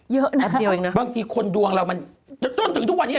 เยอะนักเดี่ยวนะฮะบางทีคนดวงเราต้นถึงทุกวันนี้